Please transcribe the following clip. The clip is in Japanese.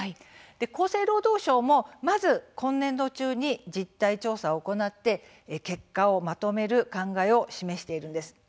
厚生労働省も、まず今年度中に実態調査を行って結果をまとめる考えを示しているんです。